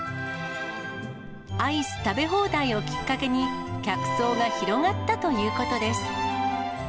アイス食べ放題をきっかけに、客層が広がったということです。